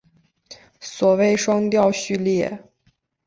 所谓双调序列。